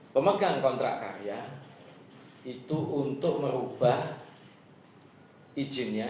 pemegang kontrak karya itu untuk merubah izinnya